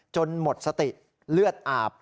หมดสติเลือดอาบ